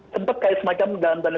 sempat kayak semacam dalam tanda